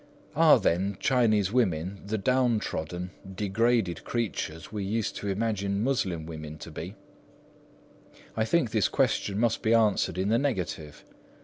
Are, then, Chinese women the down trodden, degraded creatures we used to imagine Moslem women to be? I think this question must be answered in the negative.